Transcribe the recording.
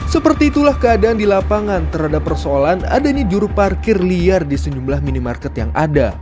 seperti itulah keadaan di lapangan terhadap persoalan adanya juru parkir liar di sejumlah minimarket yang ada